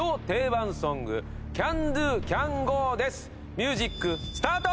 ミュージックスタート！